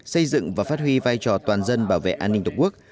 xây dựng và phát huy vai trò toàn dân bảo vệ an ninh tổ quốc